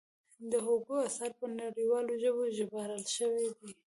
د هوګو اثار په نړیوالو ژبو ژباړل شوي دي.